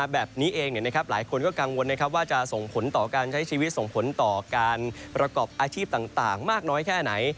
แบบนี้เองหลายคนก็กังวลว่าจะส่งผลต่อการใช้ชีวิตส่งผลต่อการประกอบอาชีพต่างมากน้อยแค่ไหน